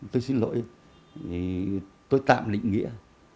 tôi xin lỗi tôi tạm lĩnh nghĩa